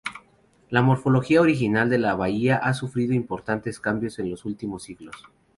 La morfología original de la bahía ha sufrido importantes cambios en los últimos siglos.